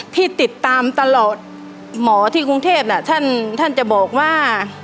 ที่ติดตามตลอดหมอที่กรุงเทพน่ะท่านจะบอกว่า